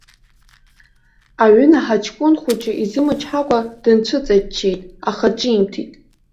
Аҩынаҳа ҷкәын хәыҷы изымычҳакәа дынцәыҵаччеит, аха ҿимҭит.